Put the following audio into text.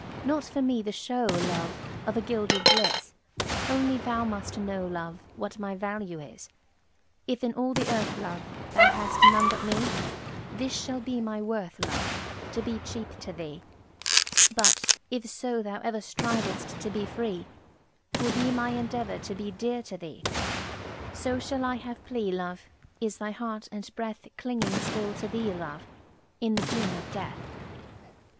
Not for me the show, love, Of a gilded bliss; Only thou must know, love, What my value is. If in all the earth, love, Thou hast none but me, This shall be my worth, love: To be cheap to thee. But, if so thou ever Strivest to be free, 'Twill be my endeavour To be dear to thee. So shall I have plea, love, Is thy heart andbreath Clinging still to thee, love, In the doom of death.